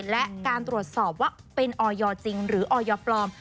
และการตรวจสอบว่าเป็นออยจริงหรือออยปลอม